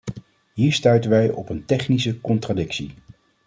Hier stuiten wij op een technische contradictie.